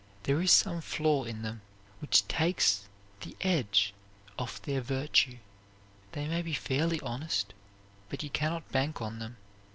There is some flaw in them which takes the edge off their virtue. They may be fairly honest, but you cannot bank on them.